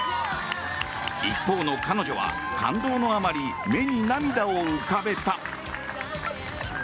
一方の彼女は、感動のあまり目に涙を浮かべた。